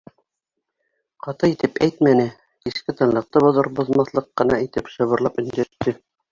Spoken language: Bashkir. Ҡаты итеп әйтмәне, киске тынлыҡты боҙор-боҙмаҫлыҡ ҡына итеп шыбырлап өндәште.